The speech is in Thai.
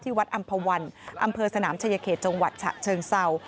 วัดอำภาวันอำเภอสนามชายเขตจังหวัดฉะเชิงเศร้า